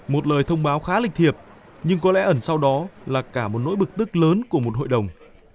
một lời thông báo khá lịch thiệp nhưng có lẽ ẩn sau đó là cả một nỗi bực tức lớn của một hội đồng